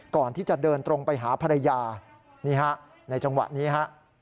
ก่อนที่จะเดินตรงไปหาภรรยานี่ฮะในจังหวะนี้ฮะ